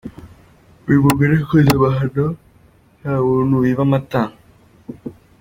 uyu mugore yakoze amahano nta muntu wiba amata.